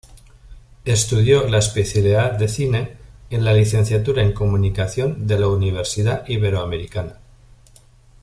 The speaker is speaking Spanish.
Estudió la especialidad de Cine en la Licenciatura en Comunicación de la Universidad Iberoamericana.